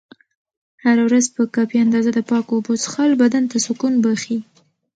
هره ورځ په کافي اندازه د پاکو اوبو څښل بدن ته سکون بښي.